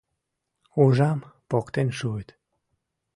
Ужам — поктен шуыт.